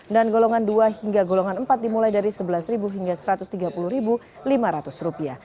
dan golongan dua hingga golongan empat dimulai dari rp sebelas hingga rp satu ratus tiga puluh lima ratus